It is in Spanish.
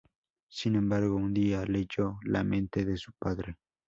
Sin embargo, un día leyó la mente de su padre.